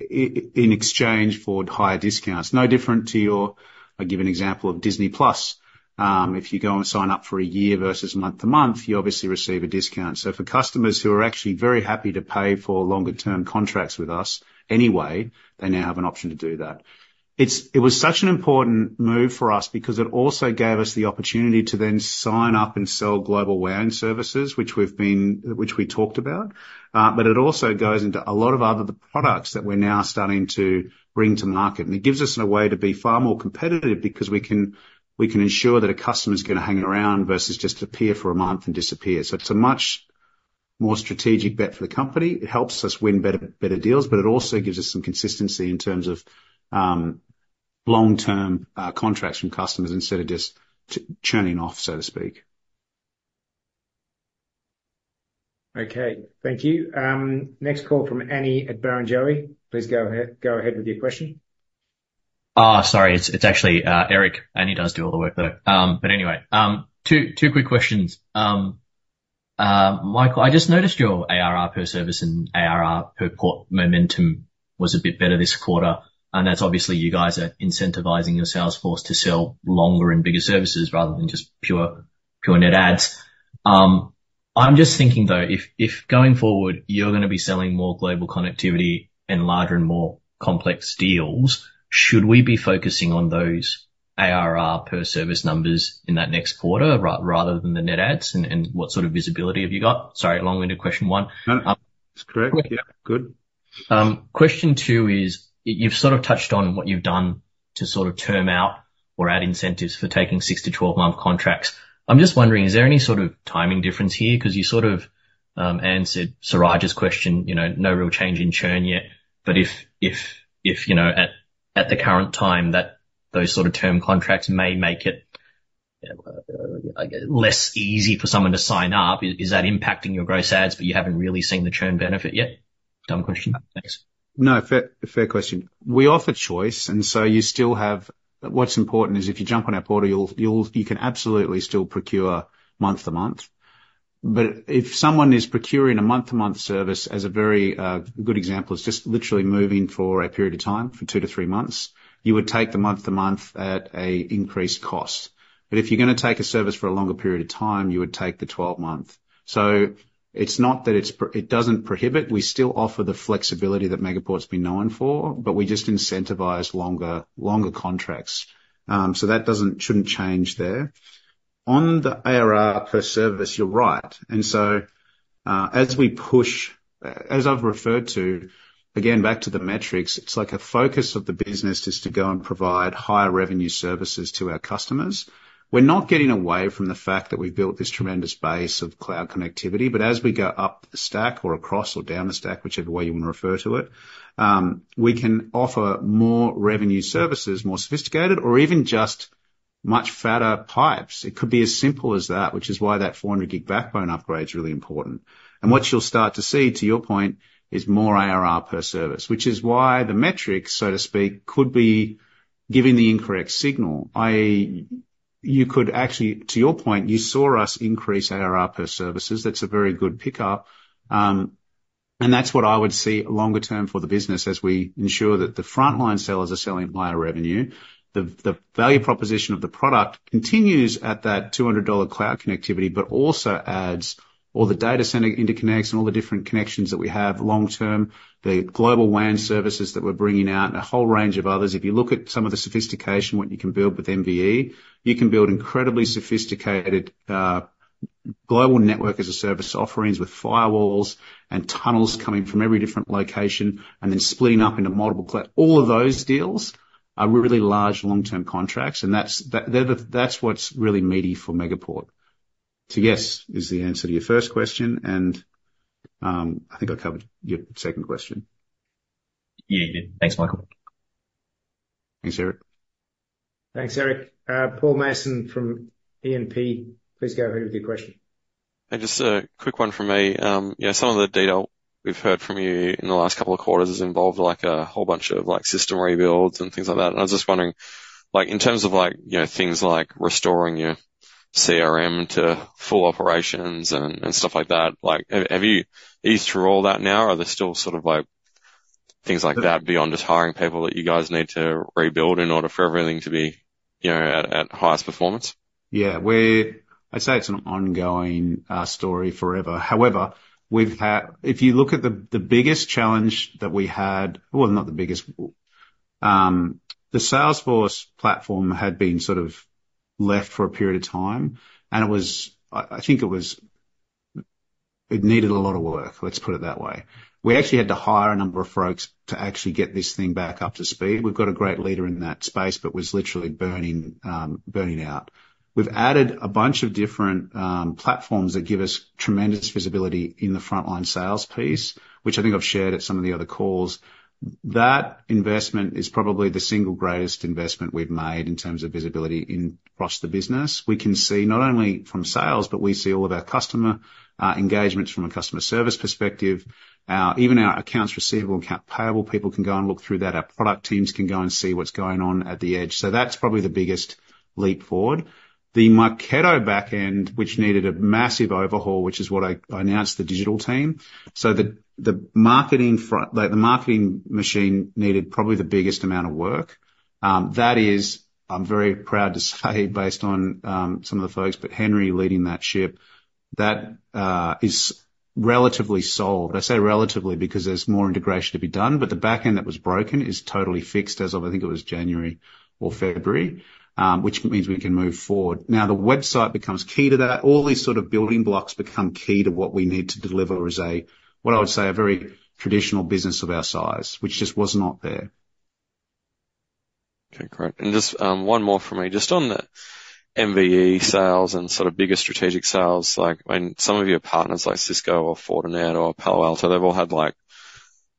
exchange for higher discounts, no different to your, I'll give an example of Disney+. If you go and sign up for a year versus month-to-month, you obviously receive a discount. So for customers who are actually very happy to pay for longer-term contracts with us anyway, they now have an option to do that. It was such an important move for us because it also gave us the opportunity to then sign up and sell global WAN services, which we've talked about. But it also goes into a lot of other products that we're now starting to bring to market. And it gives us a way to be far more competitive because we can ensure that a customer is going to hang around versus just appear for a month and disappear. So it's a much more strategic bet for the company. It helps us win better deals, but it also gives us some consistency in terms of long-term contracts from customers instead of just churning off, so to speak. Okay. Thank you. Next call from Annie at Barrenjoey. Please go ahead with your question. Oh, sorry. It's actually Eric. Annie does do all the work though. But anyway, two quick questions. Michael, I just noticed your ARR per service and ARR per port momentum was a bit better this quarter. And that's obviously you guys are incentivising your sales force to sell longer and bigger services rather than just pure net adds. I'm just thinking, though, if going forward, you're going to be selling more global connectivity and larger and more complex deals, should we be focusing on those ARR per service numbers in that next quarter rather than the net adds and what sort of visibility have you got? Sorry, long-winded question, one. That's correct. Yeah. Good. Question two is, you've sort of touched on what you've done to sort of term out or add incentives for taking 6-12-month contracts. I'm just wondering, is there any sort of timing difference here? Because you sort of answered Siraj's question, no real change in churn yet. But if at the current time, those sort of term contracts may make it less easy for someone to sign up, is that impacting your gross adds, but you haven't really seen the churn benefit yet? Dumb question. Thanks. No, fair question. We offer choice. And so you still have what's important is if you jump on our portal, you can absolutely still procure month-to-month. But if someone is procuring a month-to-month service, as a very good example is just literally moving for a period of time, for 2-3 months, you would take the month-to-month at an increased cost. But if you're going to take a service for a longer period of time, you would take the 12-month. So it's not that it doesn't prohibit. We still offer the flexibility that Megaport's been known for, but we just incentivize longer contracts. So that shouldn't change there. On the ARR per service, you're right. And so as we push, as I've referred to, again, back to the metrics, it's like a focus of the business is to go and provide higher revenue services to our customers. We're not getting away from the fact that we've built this tremendous base of cloud connectivity. But as we go up the stack or across or down the stack, whichever way you want to refer to it, we can offer more revenue services, more sophisticated, or even just much fatter pipes. It could be as simple as that, which is why that 400G backbone upgrade is really important. And what you'll start to see, to your point, is more ARR per service, which is why the metrics, so to speak, could be giving the incorrect signal. You could actually, to your point, you saw us increase ARR per services. That's a very good pickup. And that's what I would see longer-term for the business as we ensure that the frontline sellers are selling higher revenue. The value proposition of the product continues at that 200 dollar cloud connectivity, but also adds all the data center interconnects and all the different connections that we have long-term, the global WAN services that we're bringing out, and a whole range of others. If you look at some of the sophistication, what you can build with MVE, you can build incredibly sophisticated global network as a service offerings with firewalls and tunnels coming from every different location and then splitting up into multiple clouds. All of those deals are really large long-term contracts. And that's what's really meaty for Megaport. So yes is the answer to your first question. And I think I covered your second question. Yeah, you did. Thanks, Michael. Thanks, Eric. Thanks, Eric. Paul Mason from E&P, please go ahead with your question. Just a quick one from me. Some of the data we've heard from you in the last couple of quarters has involved a whole bunch of system rebuilds and things like that. I was just wondering, in terms of things like restoring your CRM to full operations and stuff like that, are you through all that now? Are there still sort of things like that beyond just hiring people that you guys need to rebuild in order for everything to be at highest performance? Yeah. I'd say it's an ongoing story forever. However, if you look at the biggest challenge that we had, well, not the biggest. The Salesforce platform had been sort of left for a period of time. I think it needed a lot of work, let's put it that way. We actually had to hire a number of folks to actually get this thing back up to speed. We've got a great leader in that space, but was literally burning out. We've added a bunch of different platforms that give us tremendous visibility in the frontline sales piece, which I think I've shared at some of the other calls. That investment is probably the single greatest investment we've made in terms of visibility across the business. We can see not only from sales, but we see all of our customer engagements from a customer service perspective. Even our accounts receivable and payable people can go and look through that. Our product teams can go and see what's going on at the edge. So that's probably the biggest leap forward. The Marketo backend, which needed a massive overhaul, which is what I announced the digital team. So the marketing machine needed probably the biggest amount of work. That is, I'm very proud to say, based on some of the folks, but Henry leading that ship, that is relatively solved. I say relatively because there's more integration to be done. But the backend that was broken is totally fixed as of, I think it was January or February, which means we can move forward. Now, the website becomes key to that. All these sort of building blocks become key to what we need to deliver as what I would say a very traditional business of our size, which just was not there. Okay. Great. And just one more from me. Just on the MVE sales and sort of bigger strategic sales, I mean, some of your partners like Cisco or Fortinet or Palo Alto, they've all had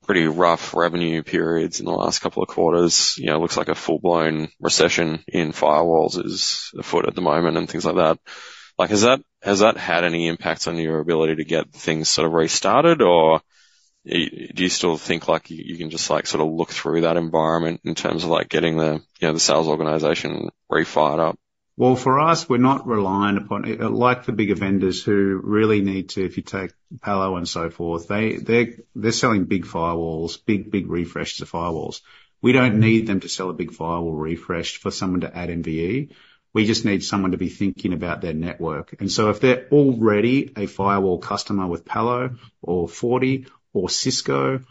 pretty rough revenue periods in the last couple of quarters. It looks like a full-blown recession in firewalls is afoot at the moment and things like that. Has that had any impacts on your ability to get things sort of restarted, or do you still think you can just sort of look through that environment in terms of getting the sales organization refire up? Well, for us, we're not reliant upon like the bigger vendors who really need to, if you take Palo and so forth, they're selling big firewalls, big, big refreshes of firewalls. We don't need them to sell a big firewall refresh for someone to add MVE. We just need someone to be thinking about their network. And so if they're already a firewall customer with Palo or Fortinet or Cisco,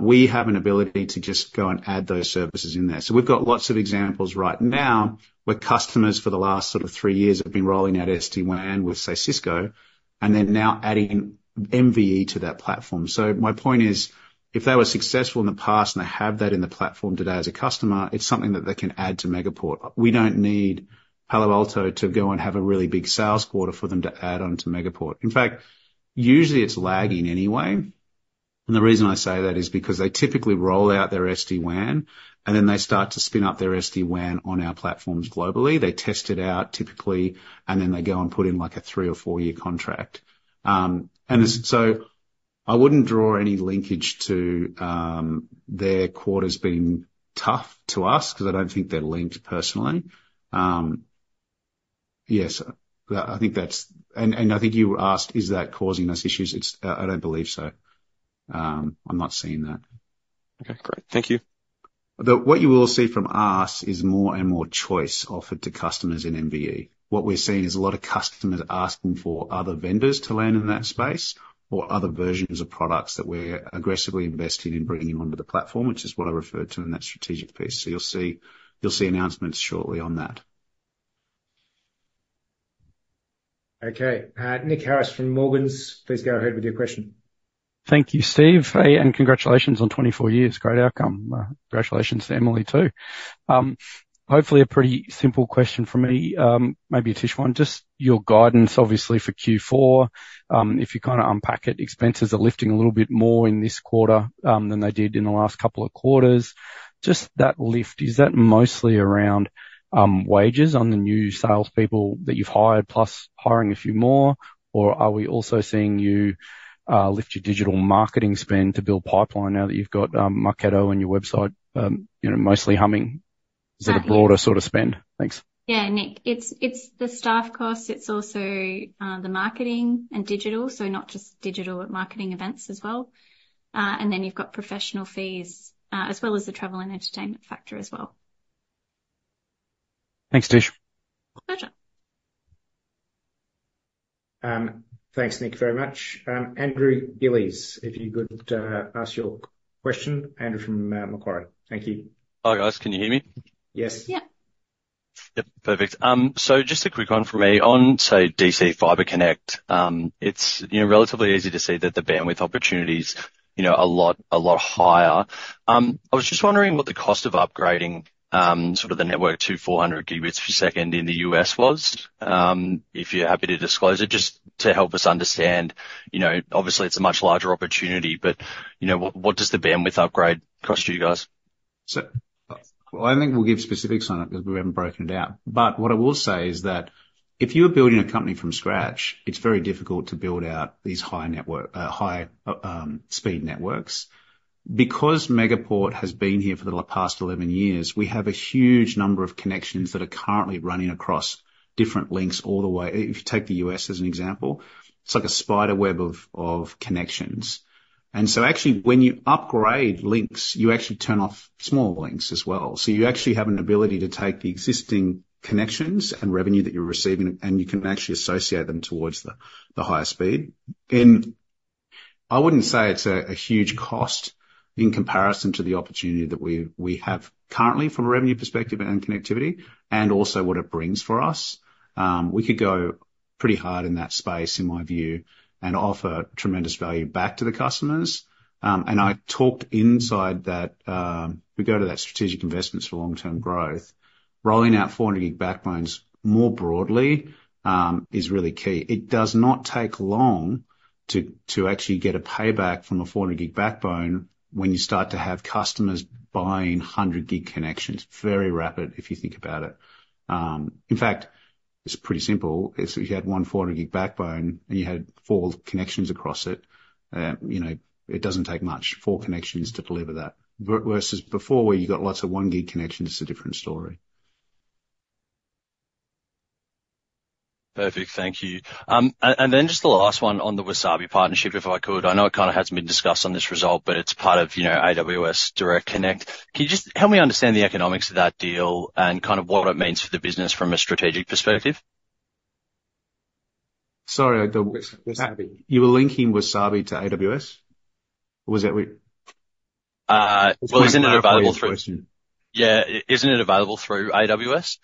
we have an ability to just go and add those services in there. So we've got lots of examples right now where customers for the last sort of three years have been rolling out SD-WAN with, say, Cisco, and then now adding MVE to that platform. So my point is, if they were successful in the past and they have that in the platform today as a customer, it's something that they can add to Megaport. We don't need Palo Alto to go and have a really big sales quarter for them to add onto Megaport. In fact, usually it's lagging anyway. The reason I say that is because they typically roll out their SD-WAN, and then they start to spin up their SD-WAN on our platforms globally. They test it out typically, and then they go and put in a 3- or 4-year contract. So I wouldn't draw any linkage to their quarters being tough to us because I don't think they're linked personally. Yes. And I think you asked, is that causing us issues? I don't believe so. I'm not seeing that. Okay. Great. Thank you. What you will see from us is more and more choice offered to customers in MVE. What we're seeing is a lot of customers asking for other vendors to land in that space or other versions of products that we're aggressively investing in bringing onto the platform, which is what I referred to in that strategic piece. So you'll see announcements shortly on that. Okay. Nick Harris from Morgans, please go ahead with your question. Thank you, Steve. Congratulations on 24 years. Great outcome. Congratulations to Emily, too. Hopefully, a pretty simple question from me, maybe a touch one. Just your guidance, obviously, for Q4. If you kind of unpack it, expenses are lifting a little bit more in this quarter than they did in the last couple of quarters. Just that lift, is that mostly around wages on the new salespeople that you've hired plus hiring a few more, or are we also seeing you lift your digital marketing spend to build pipeline now that you've got Marketo and your website mostly humming? Is it a broader sort of spend? Thanks. Yeah, Nick. It's the staff costs. It's also the marketing and digital, so not just digital, but marketing events as well. And then you've got professional fees as well as the travel and entertainment factor as well. Thanks, Tish. Pleasure. Thanks, Nick, very much. Andrew Gillies, if you could ask your question. Andrew from Macquarie. Thank you. Hi, guys. Can you hear me? Yes. Yep. Yep. Perfect. So just a quick one from me. On, say, DC fiber connect, it's relatively easy to see that the bandwidth opportunity is a lot higher. I was just wondering what the cost of upgrading sort of the network to 400 gigabits per second in the U.S. was, if you're happy to disclose it, just to help us understand. Obviously, it's a much larger opportunity, but what does the bandwidth upgrade cost you guys? Well, I think we'll give specifics on it because we haven't broken it out. But what I will say is that if you're building a company from scratch, it's very difficult to build out these high-speed networks. Because Megaport has been here for the past 11 years, we have a huge number of connections that are currently running across different links all the way. If you take the U.S. as an example, it's like a spider web of connections. And so actually, when you upgrade links, you actually turn off small links as well. So you actually have an ability to take the existing connections and revenue that you're receiving, and you can actually associate them towards the higher speed. And I wouldn't say it's a huge cost in comparison to the opportunity that we have currently from a revenue perspective and connectivity and also what it brings for us. We could go pretty hard in that space, in my view, and offer tremendous value back to the customers. I talked inside that if we go to that strategic investments for long-term growth, rolling out 400-gig backbones more broadly is really key. It does not take long to actually get a payback from a 400-gig backbone when you start to have customers buying 100-gig connections. Very rapid if you think about it. In fact, it's pretty simple. If you had one 400-gig backbone and you had four connections across it, it doesn't take much, four connections to deliver that. Versus before, where you got lots of one-gig connections, it's a different story. Perfect. Thank you. And then just the last one on the Wasabi partnership, if I could. I know it kind of hasn't been discussed on this result, but it's part of AWS Direct Connect. Can you just help me understand the economics of that deal and kind of what it means for the business from a strategic perspective? Sorry, I don't work with Wasabi. You were linking Wasabi to AWS? Was that what? Well, isn't it available through? Yeah. Isn't it available through AWS?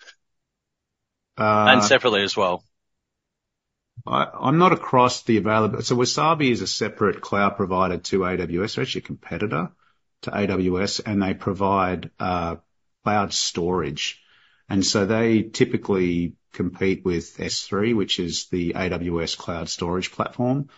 And separately as well. I'm not across the available. So Wasabi is a separate cloud provider to AWS. They're actually a competitor to AWS, and they provide cloud storage. And so they typically compete with S3, which is the AWS cloud storage platform.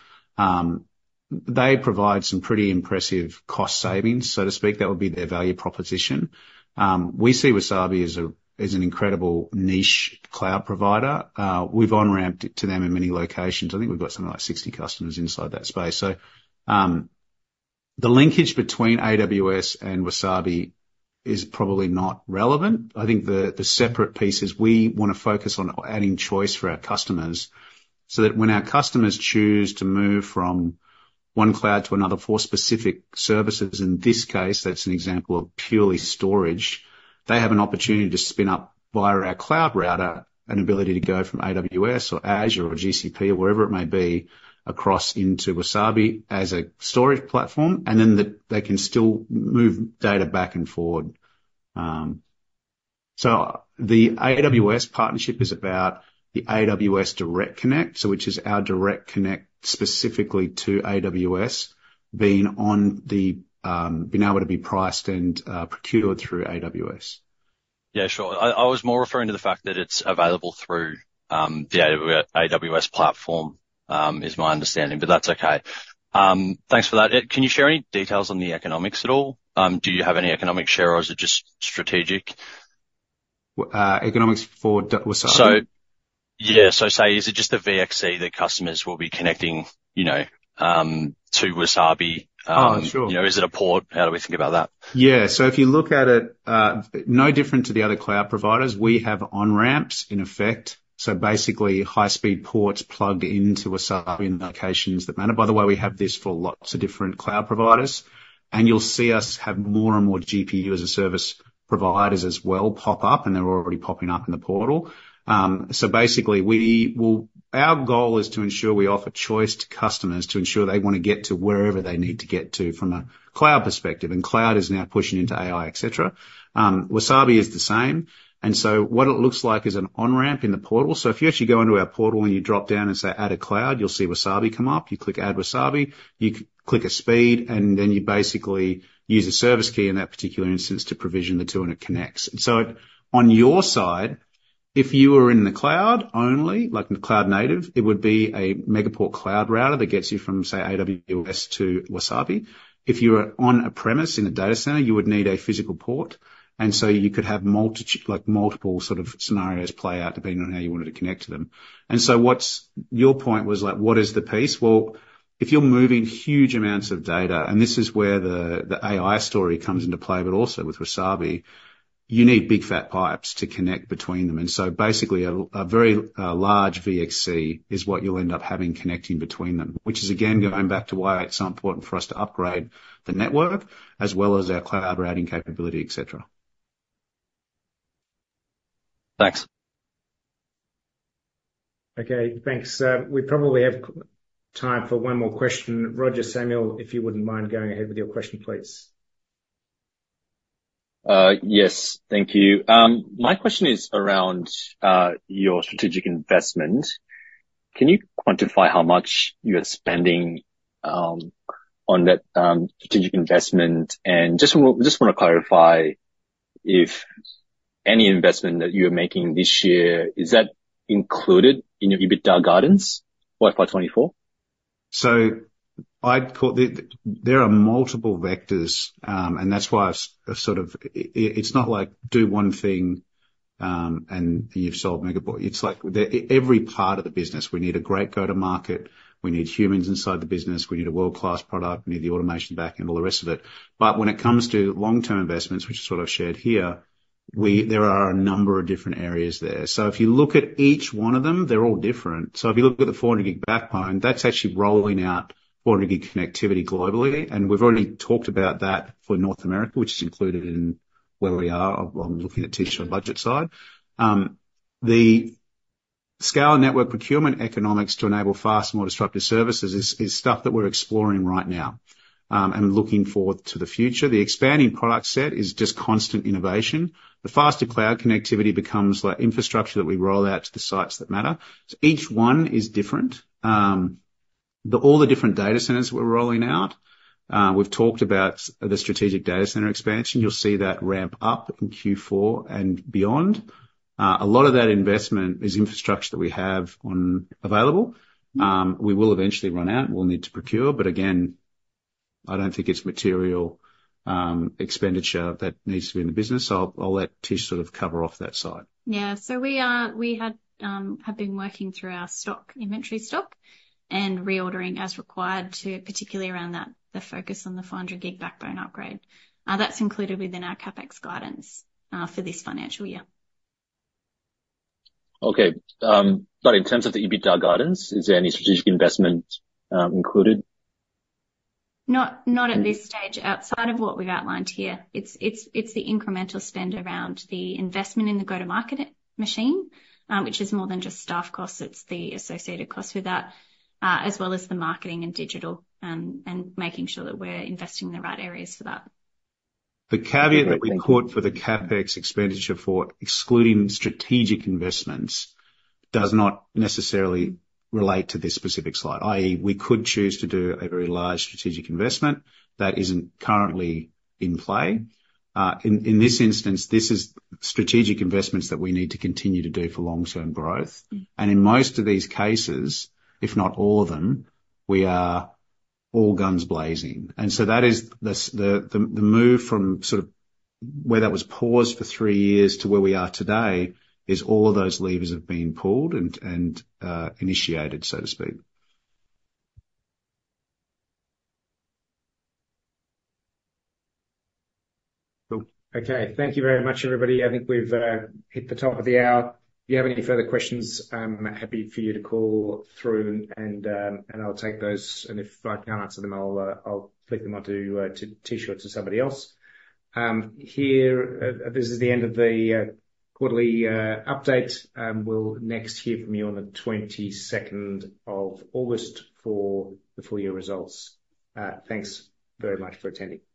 They provide some pretty impressive cost savings, so to speak. That would be their value proposition. We see Wasabi as an incredible niche cloud provider. We've on-ramped it to them in many locations. I think we've got something like 60 customers inside that space. So the linkage between AWS and Wasabi is probably not relevant. I think the separate piece is we want to focus on adding choice for our customers so that when our customers choose to move from one cloud to another for specific services, in this case, that's an example of purely storage, they have an opportunity to spin up via our cloud router, an ability to go from AWS or Azure or GCP or wherever it may be across into Wasabi as a storage platform, and then they can still move data back and forward. So the AWS partnership is about the AWS Direct Connect, which is our Direct Connect specifically to AWS being able to be priced and procured through AWS. Yeah, sure. I was more referring to the fact that it's available through the AWS platform, is my understanding, but that's okay. Thanks for that. Can you share any details on the economics at all? Do you have any economic share, or is it just strategic? Economics for Wasabi? Yeah. So say, is it just the VXC that customers will be connecting to Wasabi? Is it a port? How do we think about that? Yeah. So if you look at it, no different to the other cloud providers. We have on-ramps, in effect. So basically, high-speed ports plug into Wasabi in locations that matter. By the way, we have this for lots of different cloud providers. And you'll see us have more and more GPU as a service providers as well pop up, and they're already popping up in the portal. So basically, our goal is to ensure we offer choice to customers to ensure they want to get to wherever they need to get to from a cloud perspective. And cloud is now pushing into AI, etc. Wasabi is the same. And so what it looks like is an on-ramp in the portal. So if you actually go into our portal and you drop down and say, "Add a cloud," you'll see Wasabi come up. You click, "Add Wasabi." You click a speed, and then you basically use a Service Key in that particular instance to provision the two and it connects. So on your side, if you were in the cloud only, like the cloud native, it would be a Megaport Cloud Router that gets you from, say, AWS to Wasabi. If you were on a premise in a data center, you would need a physical port. And so you could have multiple sort of scenarios play out depending on how you wanted to connect to them. And so your point was, what is the piece? Well, if you're moving huge amounts of data - and this is where the AI story comes into play, but also with Wasabi - you need big, fat pipes to connect between them. Basically, a very large VXC is what you'll end up having connecting between them, which is, again, going back to why it's so important for us to upgrade the network as well as our cloud routing capability, etc. Thanks. Okay. Thanks. We probably have time for one more question. Roger Samuel, if you wouldn't mind going ahead with your question, please. Yes. Thank you. My question is around your strategic investment. Can you quantify how much you're spending on that strategic investment? And just want to clarify if any investment that you're making this year, is that included in your EBITDA guidance, FY24? So there are multiple vectors, and that's why I've sort of—it's not like do one thing and you've solved Megaport. It's like every part of the business, we need a great go-to-market. We need humans inside the business. We need a world-class product. We need the automation back and all the rest of it. But when it comes to long-term investments, which is what I've shared here, there are a number of different areas there. So if you look at each one of them, they're all different. So if you look at the 400-gig backbone, that's actually rolling out 400-gig connectivity globally. And we've already talked about that for North America, which is included in where we are looking at Tish on the budget side. The scale and network procurement economics to enable fast, more disruptive services is stuff that we're exploring right now and looking forward to the future. The expanding product set is just constant innovation. The faster cloud connectivity becomes infrastructure that we roll out to the sites that matter. So each one is different. All the different data centers that we're rolling out, we've talked about the strategic data center expansion. You'll see that ramp up in Q4 and beyond. A lot of that investment is infrastructure that we have available. We will eventually run out. We'll need to procure. But again, I don't think it's material expenditure that needs to be in the business. So I'll let Tish sort of cover off that side. Yeah. So we have been working through our inventory stock and reordering as required, particularly around the focus on the 400-gig backbone upgrade. That's included within our CapEx guidance for this financial year. Okay. But in terms of the EBITDA guidance, is there any strategic investment included? Not at this stage, outside of what we've outlined here. It's the incremental spend around the investment in the go-to-market machine, which is more than just staff costs. It's the associated costs with that, as well as the marketing and digital and making sure that we're investing in the right areas for that. The caveat that we put for the CapEx expenditure for excluding strategic investments does not necessarily relate to this specific slide, i.e., we could choose to do a very large strategic investment that isn't currently in play. In this instance, this is strategic investments that we need to continue to do for long-term growth. And in most of these cases, if not all of them, we are all guns blazing. And so that is the move from sort of where that was paused for three years to where we are today is all of those levers have been pulled and initiated, so to speak. Cool. Okay. Thank you very much, everybody. I think we've hit the top of the hour. If you have any further questions, happy for you to call through, and I'll take those. And if I can't answer them, I'll click them onto Tish or somebody else. This is the end of the quarterly update. We'll next hear from you on the 22nd of August for the full year results. Thanks very much for attending.